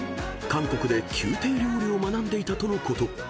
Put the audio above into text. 韓国で宮廷料理を学んでいたとのこと］